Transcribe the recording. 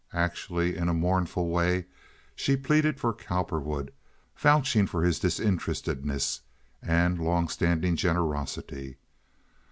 Actually in a mournful way she pleaded for Cowperwood, vouching for his disinterestedness and long standing generosity.